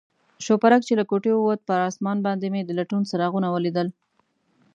شوپرک چې له کوټې ووت، پر آسمان باندې مې د لټون څراغونه ولیدل.